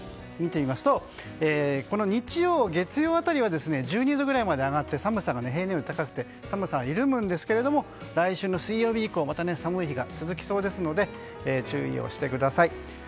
見てみますと、日曜、月曜辺りは１２度くらいまで上がって寒さが平年より高くて寒さが緩むんですけれども来週の水曜日以降また寒い日が続きそうですので注意してください。